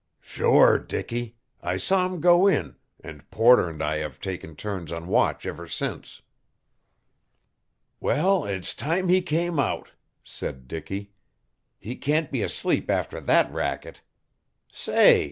"Sure, Dicky. I saw him go in, and Porter and I have taken turns on watch ever since." "Well, it's time he came out," said Dicky. "He can't be asleep after that racket. Say!"